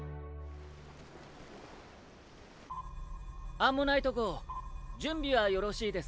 アンモナイト号準備はよろしいですか？